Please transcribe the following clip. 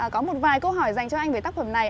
có một vài câu hỏi dành cho anh về tác phẩm này